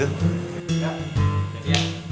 ya jadi ya